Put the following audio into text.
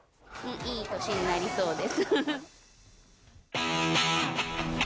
いい年になりそうです。